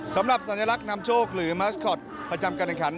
สำหรับสัญลักษณ์นำโชคหรือมาสคอตประจำการแข่งขัน